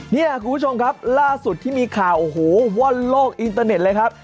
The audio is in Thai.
เนี่ยคุณผู้ชมครับล่าสุดที่มีข่าวโอ้โหว่อนโลกอินเตอร์เน็ตเลยครับ